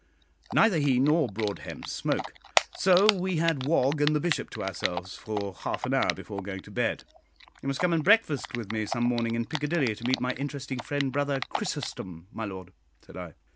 Neither he nor Broadhem smoke, so we had Wog and the Bishop to ourselves for half an hour before going to bed. "You must come and breakfast with me some morning in Piccadilly to meet my interesting friend Brother Chrysostom, my lord," said I.